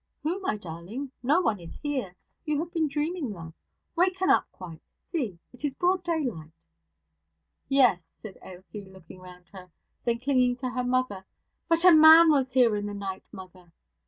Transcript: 'Who, my darling? No one is here. You have been dreaming, love. Waken up quite. See, it is broad daylight.' 'Yes,' said Ailsie, looking round her; then clinging to her mother, 'but a man was here in the night, mother.'